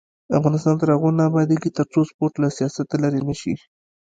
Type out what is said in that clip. افغانستان تر هغو نه ابادیږي، ترڅو سپورټ له سیاسته لرې نشي.